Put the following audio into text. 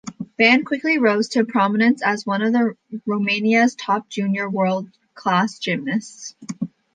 Ban quickly rose to prominence as one of Romania's top junior world-class gymnasts.